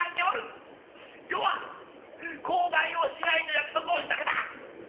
余は口外をしないと約束をしたのだ！